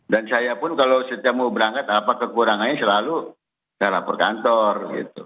saya pun kalau setiap mau berangkat apa kekurangannya selalu saya laporkan kantor